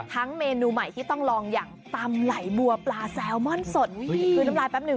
ทั้งเมนูใหม่ที่ต้องลองอย่างตำไหล่บัวปลาไซลมอนสุด